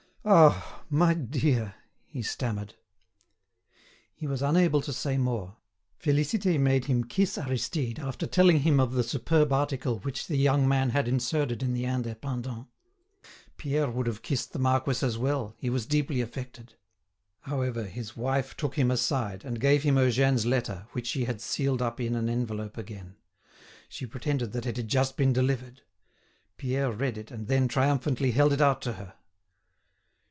"Ah! my dear!" he stammered. He was unable to say more. Félicité made him kiss Aristide after telling him of the superb article which the young man had inserted in the "Indépendant." Pierre would have kissed the marquis as well, he was deeply affected. However, his wife took him aside, and gave him Eugène's letter which she had sealed up in an envelope again. She pretended that it had just been delivered. Pierre read it and then triumphantly held it out to her.